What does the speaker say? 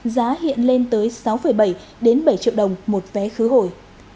giá hiện lên tới sáu bảy đến bảy triệu đồng một vé khứ hồi